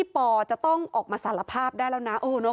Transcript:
พอต้องออกมาเสรรภาพได้แล้ว